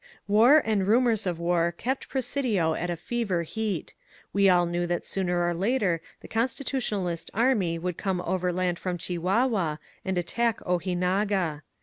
War and rumors of war kept Presidio at a fever heat. We all knew that sooner or later the Constitutionalist army would come overland from Chihuahua and at tack Ojinaga.